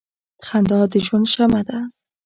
• خندا د ژوند شمع ده.